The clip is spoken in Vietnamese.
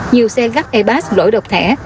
nhiều xe gắt e pass lỗi độc thẻ